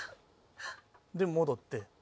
で戻って。